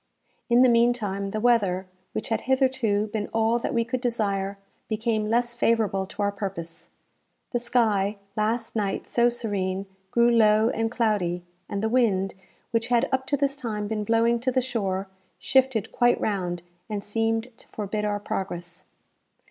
In the meantime, the weather, which had hitherto been all that we could desire, became less favourable to our purpose. The sky, last night so serene, grew low and cloudy, and the wind, which had up to this time been blowing to the shore, shifted quite round, and seemed to forbid our progress.